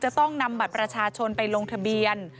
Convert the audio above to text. จะต้องนำบัตรประชาชนไปลงทะเบียน